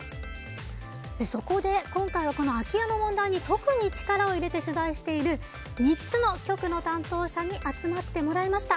そこで今回は空き家の問題に特に力を入れて取材をしている３つの局の担当者に集まってもらいました。